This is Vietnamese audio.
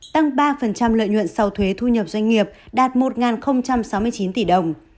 tăng ba lợi nhuận sau thuế thu nhập doanh nghiệp đạt một sáu mươi chín tỷ đồng